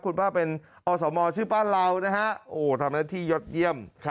คุณป้าเป็นอสมชื่อป้าเรานะฮะโอ้ทำหน้าที่ยอดเยี่ยม